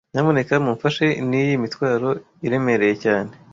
Nyamuneka mumfashe niyi mitwaro iremereye cyane